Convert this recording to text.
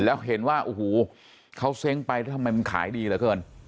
แล้วเห็นว่าโอ้โหเขาเซ้งไปแล้วทำไมมันขายดีเหลือเกิน